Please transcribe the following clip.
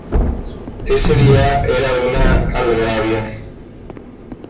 Ese día era una algarabía.